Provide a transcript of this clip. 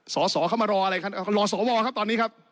สอสอเข้ามารออะไรครับรอสวครับตอนนี้ครับ